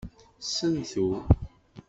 Sentu.